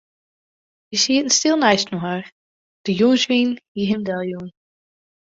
Wy sieten stil neistinoar, de jûnswyn hie him deljûn.